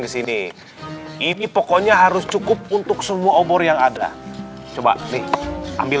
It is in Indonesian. di sini ini pokoknya harus cukup untuk semua obor yang ada coba nih ambil